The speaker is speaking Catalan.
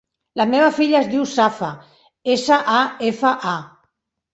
La meva filla es diu Safa: essa, a, efa, a.